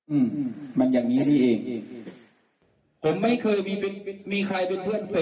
อืมมันอย่างงี้นี่เองผมไม่เคยมีเป็นมีใครเป็นเพื่อนเธอ